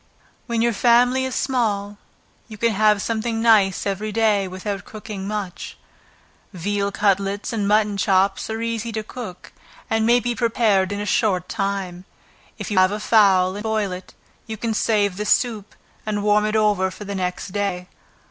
When your family is small, you can have something nice every day, without cooking much. Veal cutlets, and mutton chops, are easy to cook, and may be prepared in a short time. If you have a fowl, and boil it, you can save the soup, and warm it over for the next day.